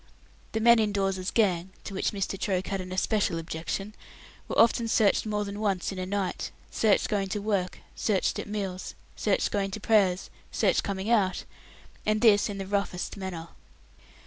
The men in Dawes's gang to which Mr. Troke had an especial objection were often searched more than once in a night, searched going to work, searched at meals, searched going to prayers, searched coming out, and this in the roughest manner.